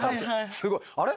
すごい「あれ？